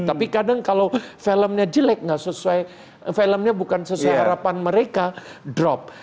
tapi kadang kalau filmnya jelek nggak sesuai filmnya bukan sesuai harapan mereka drop